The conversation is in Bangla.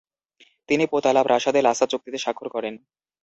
তিনি পোতালা প্রাসাদে লাসা চুক্তিতে স্বাক্ষর করেন।